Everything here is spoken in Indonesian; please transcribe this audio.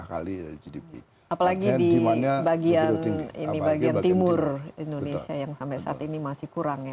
apalagi di bagian timur indonesia yang sampai saat ini masih kurang ya